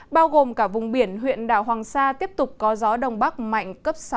bao gồm cả vùng biển huyện đảo hoàng sa tiếp tục có gió đông bắc mạnh cấp sáu